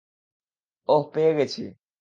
ওহ - পেয়ে গেছি।